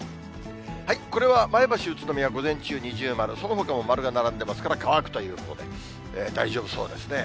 これは前橋、宇都宮、午前中、二重丸、そのほかも丸が並んでますから、乾くということで、大丈夫そうですね。